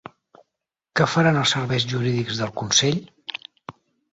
Què faran els serveis jurídics del Consell?